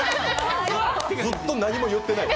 ずっと何も言ってない。